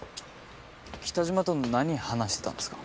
喜多嶋と何話してたんですか？